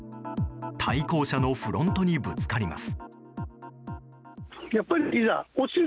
対向車のフロントにぶつかります。